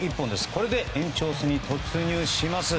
これで延長戦に突入します。